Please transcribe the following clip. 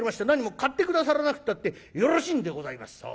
なにも買って下さらなくったってよろしいんでございます』」。